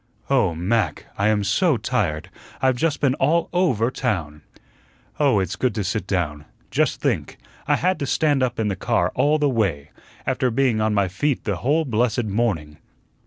"Oh, MAC, I am so tired; I've just been all OVER town. Oh, it's good to sit down. Just think, I had to stand up in the car all the way, after being on my feet the whole blessed morning.